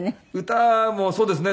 歌もそうですね。